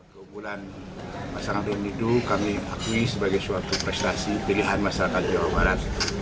keunggulan pasangan rindu kami akui sebagai suatu prestasi pilihan masyarakat jawa barat